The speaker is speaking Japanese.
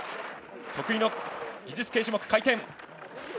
得意の技術系種目、回転。